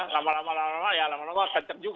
lama lama lama lama ya lama lama kacak juga